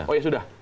oh ya sudah